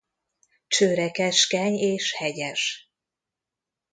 Csőre keskeny és hegyes.